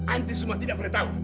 antri semua tidak tahu